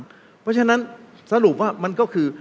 เพราะฉะนั้นสรุปว่ามันก็คือ